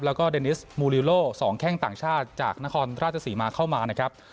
แล้วก็เดนิสมูลิโล๒แข้งต่างชาติจากนครราชสีมาเข้ามานะครับ